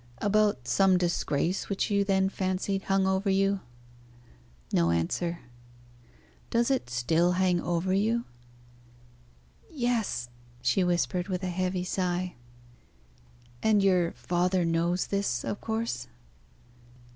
"About some disgrace which you then fancied hung over you?" No answer. "Does it still hang over you?" "Yes!" she whispered, with a heavy sigh. "And your father knows this, of course?"